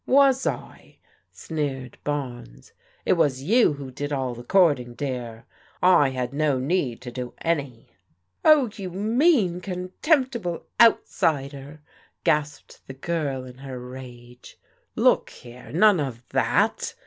Was I? " sneered Barnes. " It was you who did all the courting, dear. I had no need to do any." "Oh, you mean, contemptible outsider," gasped the girl in her rage. " Look here, none of that